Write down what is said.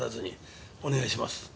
お願いします。